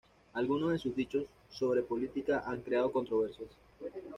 Algunos de sus dichos sobre política han creado controversias.